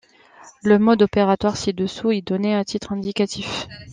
Le mode opératoire ci-dessous est donné à titre indicatif.